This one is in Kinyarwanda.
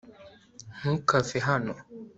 ntukave hano